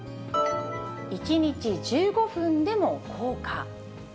１日１５分でも効果。